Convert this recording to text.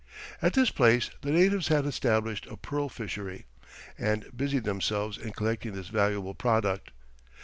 At this place the natives had established a pearl fishery, and busied themselves in collecting this valuable product.